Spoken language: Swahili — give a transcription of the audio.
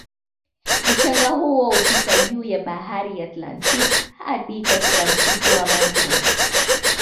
Mchanga huo hupita juu ya bahari Atlantic hadi katika msitu wa amazon